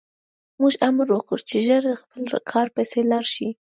موږ امر وکړ چې ژر خپل کار پسې لاړ شي